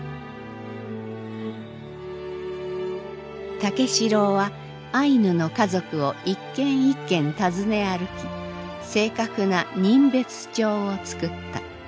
武四郎はアイヌの家族を一軒一軒訪ね歩き正確な人別帳を作った。